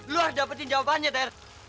lu harus dapetin jawabannya ter